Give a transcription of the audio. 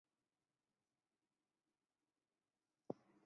庙内有一尊清治时期的土地婆像。